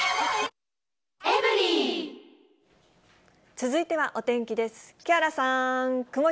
続いてはお天気です。